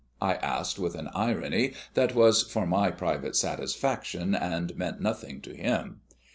I asked with an irony that was for my private satisfaction, and meant nothing to him.